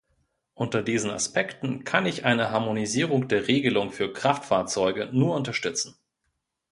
Unter diesen Aspekten kann ich eine Harmonisierung der Regelung für Kraftfahrzeuge nur unterstützen.